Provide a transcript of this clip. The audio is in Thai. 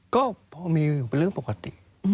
ก็พอมีอยู่เป็นเรื่องปกติ